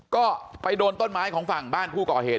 ก็ไปโดนต้นไม้ของฝั่งบ้านผู้ก่อเหตุ